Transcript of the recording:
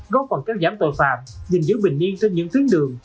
góp phần kéo giảm tội phạm nhìn giữ bình yên trên những tuyến đường